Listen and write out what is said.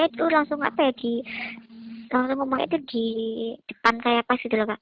wah ini kesabaran ya